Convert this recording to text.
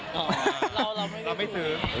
อ๋อเราไม่ถูก